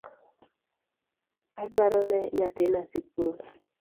Adwarone nyathina sikul